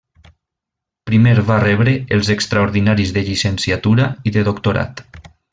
Primer va rebre els extraordinaris de llicenciatura i de doctorat.